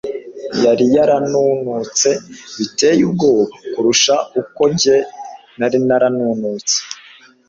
yari yaranunutse biteye ubwoba kurusha uko njye nari narananutse